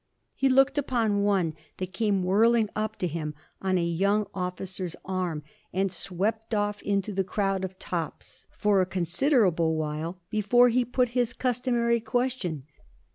He looked upon one that came whirling up to him on a young officer's arm and swept off into the crowd of tops, for a considerable while before he put his customary question.